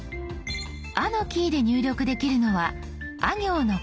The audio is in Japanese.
「あ」のキーで入力できるのはあ行の５文字。